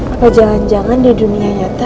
apa jangan jangan di dunia nyata